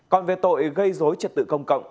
còn về tội gây dối trật tự công cộng